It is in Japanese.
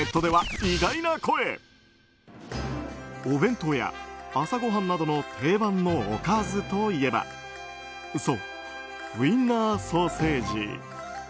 お弁当や朝ごはんなどの定番のおかずといえばそう、ウインナーソーセージ。